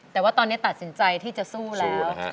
แต่ว่าตอนนี้ตัดสินใจที่จะสู้แล้ว